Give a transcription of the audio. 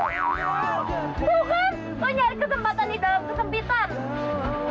lo nyari kesempatan di dalam kesempitan